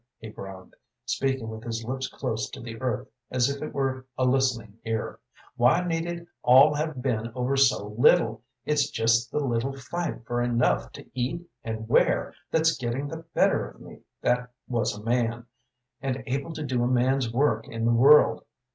he groaned, speaking with his lips close to the earth as if it were a listening ear. "Why need it all have been over so little? It's just the little fight for enough to eat and wear that's getting the better of me that was a man, and able to do a man's work in the world.